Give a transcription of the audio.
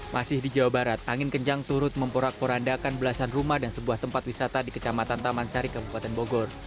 masih di jawa barat angin kencang turut memporak porandakan belasan rumah dan sebuah tempat wisata di kecamatan taman sari kabupaten bogor